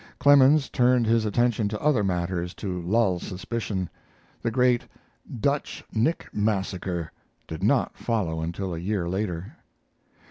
Clemens turned his attention to other matters to lull suspicion. The great "Dutch Nick Massacre" did not follow until a year later.